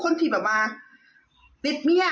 ขณะเดียวกันค่ะคุณผู้ชมชาวนี้ค่ะ